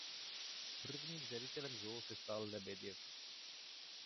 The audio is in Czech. Prvním ředitelem zoo se stal Lebeděv.